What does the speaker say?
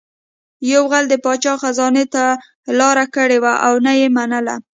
یو غل د پاچا خزانې ته لاره کړې وه او نه یې منله